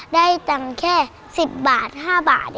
ได้ตังค์แค่๑๐๑๕บาทค่ะ